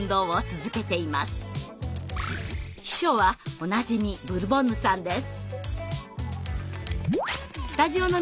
秘書はおなじみブルボンヌさんです。